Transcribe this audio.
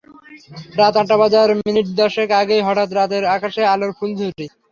রাত আটটা বাজার মিনিট দশেক আগেই হঠাৎ রাতের আকাশে আলোর ফুলঝুরি।